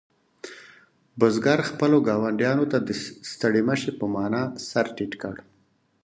بزګر خپلو ګاونډیانو ته د ستړي مه شي په مانا سر ټیټ کړ.